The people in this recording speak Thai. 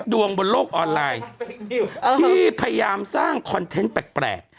บนโลกออนไลน์ที่พยายามสร้างคอนเทนต์แปลก